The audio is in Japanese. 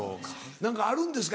何かあるんですか？